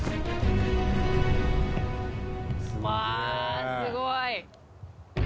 うわすごい！